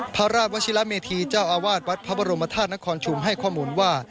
พระราชวชิละเมธีเจ้าอาวาสวัดพระบรมธาตุนครชุมให้ข้อมูลว่า